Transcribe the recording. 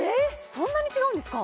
そんなに違うんですか？